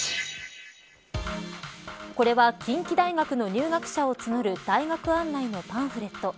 これは、近畿大学の入学者を募る大学案内のパンフレット。